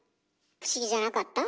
不思議じゃなかった？